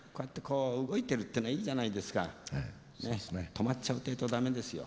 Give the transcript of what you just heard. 止まっちゃうてぇと駄目ですよ。